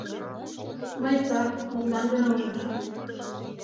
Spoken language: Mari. Мый так, мутлан гына ойлышым.